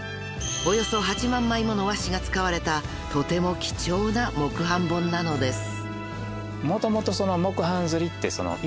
［およそ８万枚もの和紙が使われたとても貴重な木版本なのです］